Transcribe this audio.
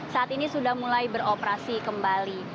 saat ini sudah mulai beroperasi kembali